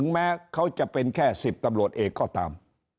แม้เขาจะเป็นแค่๑๐ตำรวจเอกก็ตาม